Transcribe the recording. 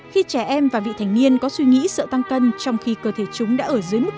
khi trẻ em và vị thành niên có suy nghĩ sợ tăng cân trong khi cơ thể chúng đã ở dưới mức